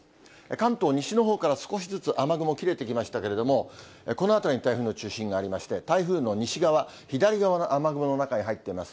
関東、西のほうから少しずつ雨雲切れてきましたけれども、この辺りに台風の中心がありまして、台風の西側、左側が雨雲の中に入っています。